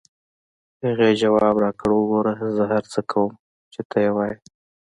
هغې ځواب راکړ: وګوره، زه هر هغه څه کوم چې ته یې وایې.